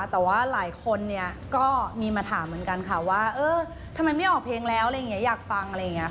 แต่ว่าหลายคนเนี่ยก็มีมาถามเหมือนกันค่ะว่าเออทำไมไม่ออกเพลงแล้วอะไรอย่างนี้อยากฟังอะไรอย่างนี้ค่ะ